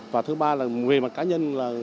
và thứ ba là về mặt cá nhân